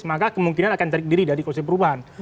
maka kemungkinan akan terik diri dari koalisi perubahan